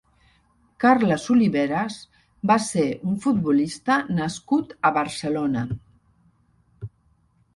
Carles Oliveras va ser un futbolista nascut a Barcelona.